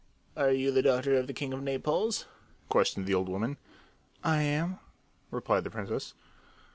"Are you the daughter of the king of Naples?" questioned the old woman. "I am," replied the princess.